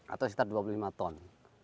atau sekitar dua puluh lima ton